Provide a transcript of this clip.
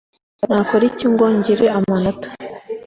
Nakora iki ngo ngire amanota